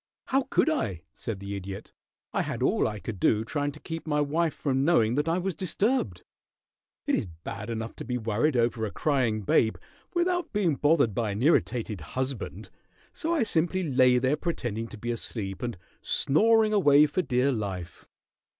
"How could I?" said the Idiot. "I had all I could do trying to keep my wife from knowing that I was disturbed. It is bad enough to be worried over a crying babe, without being bothered by an irritated husband, so I simply lay there pretending to be asleep and snoring away for dear life."